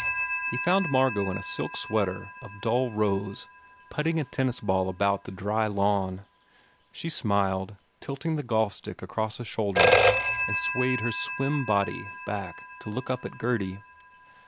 He found Margot in a silk sweater of dull rose put ting a tennis ball about the dry lawn. She smiled, tilting the golfstick across a shoulder, 203 THE FAIR REWARDS and swayed her slim body back to look up at Gurdy.